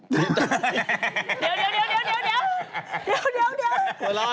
เดี๋ยว